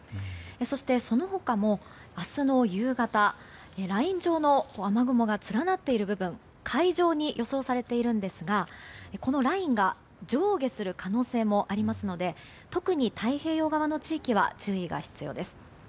そして、その他も明日の夕方ライン状の雨雲が連なっている部分海上に予想されているんですがこのラインが上下する可能性もありますので特に太平洋側の地域は注意が必要です。